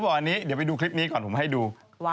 จะไปดูคลิปนี้ก่อนมาให้ดู